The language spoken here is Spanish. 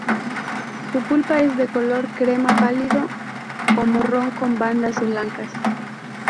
Su pulpa es de color crema pálido o marrón con bandas blancas.